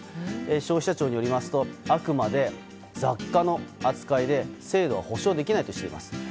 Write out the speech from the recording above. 消費者庁によりますとあくまで雑貨の扱いで精度は保証できないとしています。